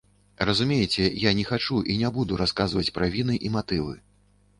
Разумееце, я не хачу і не буду расказваць пра віны і матывы.